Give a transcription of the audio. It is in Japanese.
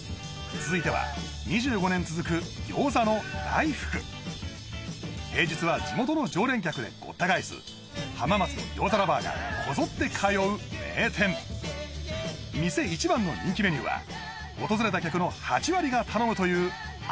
続いては２５年続く餃子の大福平日は地元の常連客でごった返す浜松の餃子ラバーがこぞって通う名店店一番の人気メニューは訪れた客の８割が頼むというある餃子